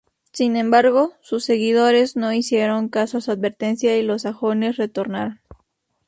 Sin embargo, sus seguidores no hicieron caso a su advertencia y los sajones retornaron.